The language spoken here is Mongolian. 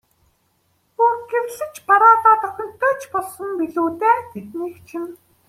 Бүр гэрлэж бараалаад охинтой ч болсон билүү дээ, тэднийх чинь.